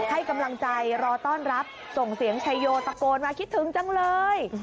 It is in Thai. ให้กำลังใจรอต้อนรับส่งเสียงชัยโยตะโกนมาคิดถึงจังเลย